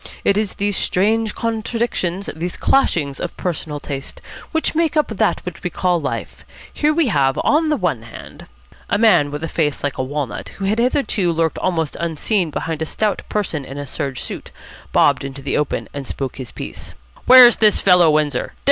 It is these strange contradictions, these clashings of personal taste, which make up what we call life. Here we have, on the one hand " A man with a face like a walnut, who had hitherto lurked almost unseen behind a stout person in a serge suit, bobbed into the open, and spoke his piece. "Where's this fellow Windsor?